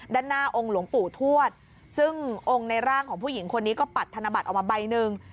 ด้านหน้าองค์หลวงปู่ทวดซึ่งองค์ในร่างของผู้หญิงคนนี้ก็ปัดธนบัตรออกมาใบหนึ่ง